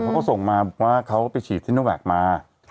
เขาก็ส่งมาบอกว่าเขาไปฉีดซิโนแวคมา